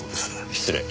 失礼。